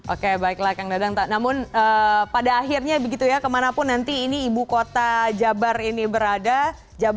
oke baiklah kang dadang namun pada akhirnya begitu ya kemanapun nanti ini ibu kota jabar ini berada